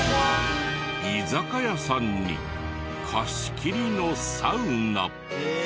居酒屋さんに貸し切りのサウナ。